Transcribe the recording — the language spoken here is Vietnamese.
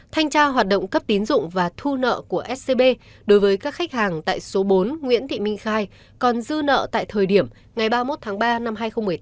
thanh tra hoạt động cấp tín dụng và thu nợ của scb đối với các khách hàng tại số bốn nguyễn thị minh khai còn dư nợ tại thời điểm ngày ba mươi một tháng ba năm hai nghìn một mươi tám